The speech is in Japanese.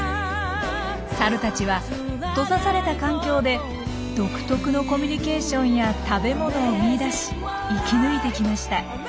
サルたちは閉ざされた環境で独特のコミュニケーションや食べ物を見いだし生き抜いてきました。